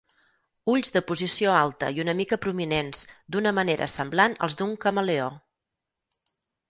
Ulls de posició alta i una mica prominents, d'una manera semblant als d'un camaleó.